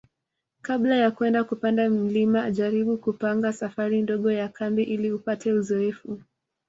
Kabla ya kwenda kupanda mlima jaribu kupanga safari ndogo ya kambi ili upate uzoefu